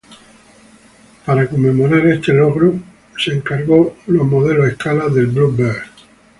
Para conmemorar este logro, Campbell encargó unos modelos a escala del "Blue Bird".